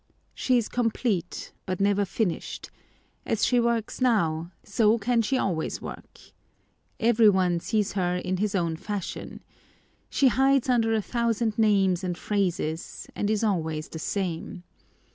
She is complete, but never finished. As she works now, so can she always work. Everyone sees her in his own fashion. She hides under a thousand names and phrases, and is always the same.